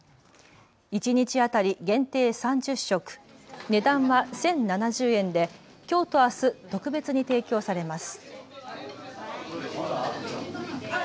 一日当たり限定３０食、値段は１０７０円できょうとあす特別に提供されます。